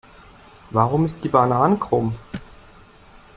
Warum ist die Banane krumm?